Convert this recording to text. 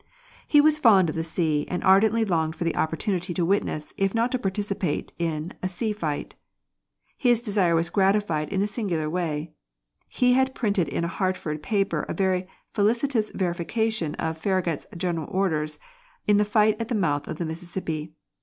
He was fond of the sea, and ardently longed for the opportunity to witness, if not to participate in, a sea fight. His desire was gratified in a singular way. He had printed in a Hartford paper a very felicitous versification of Farragut's 'General Orders' in the fight at the mouth of the Mississippi.